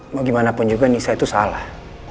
mau gimana pun juga nisa itu salah